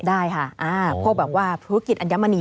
ได้ค่ะพวกแบบว่าธุรกิจอัญมณี